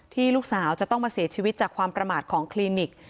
ลูกสาวจะต้องมาเสียชีวิตจากความประมาทของคลินิก